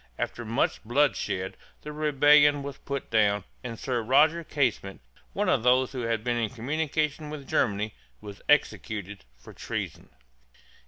After much bloodshed the rebellion was put down, and Sir Roger Casement, one of those who had been in communication with Germany, was executed for treason.